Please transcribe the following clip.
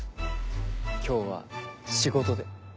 今日は仕事で。